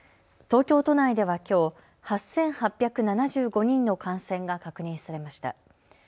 東京都内ではきょう８８７５人の感染が確認されました。